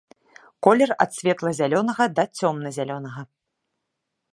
Колер ад светла-зялёнага да цёмна-зялёнага.